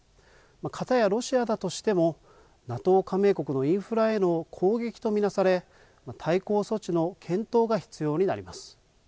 かたやロシアだとしても、ＮＡＴＯ加盟国のインフラへの攻撃と見なされ、対抗措置の検討が必要になります。